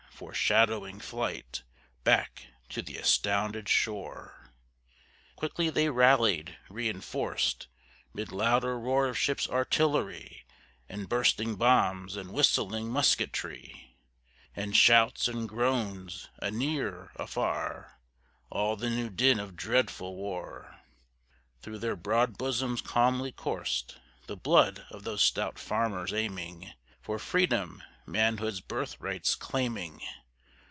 Foreshadowing flight Back to the astounded shore. Quickly they rallied, reinforced. Mid louder roar of ship's artillery, And bursting bombs and whistling musketry And shouts and groans, anear, afar, All the new din of dreadful war, Through their broad bosoms calmly coursed The blood of those stout farmers, aiming For freedom, manhood's birthrights claiming.